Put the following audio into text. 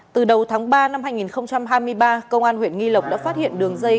từ đầu tháng ba năm hai nghìn hai mươi ba công an huyện nghi lộc đã phát hiện đường dây